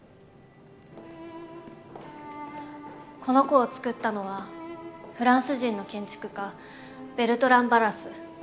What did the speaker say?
この子を作ったのはフランス人の建築家ベルトラン・バラス。